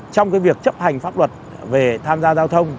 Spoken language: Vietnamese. trong việc chấp hành pháp luật về tham gia giao thông